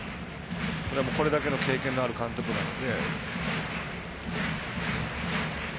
これだけの経験のある監督なので。